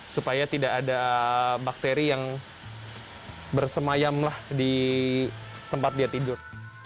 supaya tidak ada bakteri yang bersemayam di tempat dia tidur